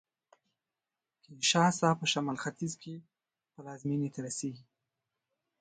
د کینشاسا په شمال ختیځ کې پلازمېنې ته رسېږي